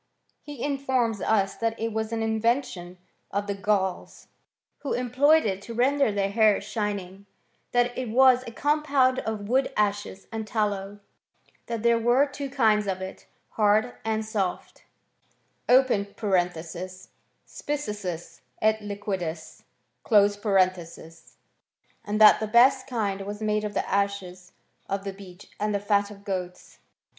He in forms us that it was an invention of the Gauls, who employed it to render their hair shining ; that it was a compound of wood ashes and tallow, that there wen two kinds of it, hard and soft {spissus et liquidtis); and that the best kind was made of the ashes of the beech and the fat of goats.